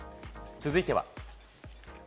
続いては。